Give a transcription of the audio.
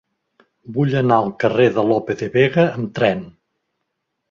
Vull anar al carrer de Lope de Vega amb tren.